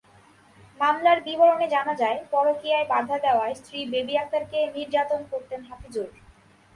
মামলার বিবরণে জানা যায়, পরকীয়ায় বাধা দেওয়ায় স্ত্রী বেবী আক্তারকে নির্যাতন করতেন হাফিজুর।